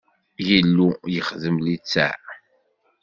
Illu yexdem litteɛ.